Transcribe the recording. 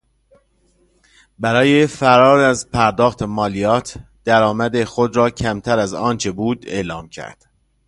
برای فرار از پرداخت مالیات درآمد خود را کمتر از آنچه بود اعلام کرد.